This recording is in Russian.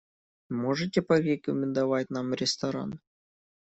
Можете порекомендовать нам ресторан?